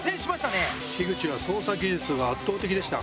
樋口は操作技術が圧倒的でした。